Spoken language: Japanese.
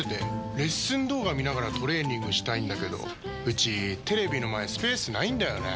レッスン動画見ながらトレーニングしたいんだけどうちテレビの前スペースないんだよねー。